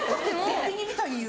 コンビニみたいに言う。